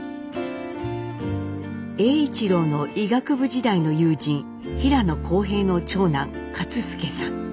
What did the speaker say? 栄一郎の医学部時代の友人平野康平の長男勝介さん。